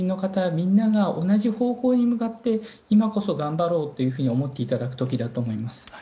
みんなが同じ方向に向かって今こそ頑張ろうと思っていただく時だと思います。